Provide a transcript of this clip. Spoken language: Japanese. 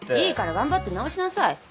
いいから頑張って直しなさい。